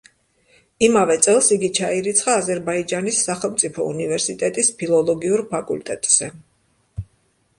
იმავე წელს იგი ჩაირიცხა აზერბაიჯანის სახელმწიფო უნივერსიტეტის ფილოლოგიურ ფაკულტეტზე.